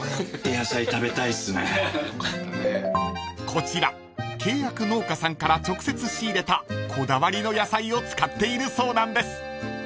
［こちら契約農家さんから直接仕入れたこだわりの野菜を使っているそうなんです］